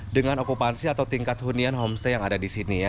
dengan okupansi atau tingkat hunian homestay yang ada di sini ya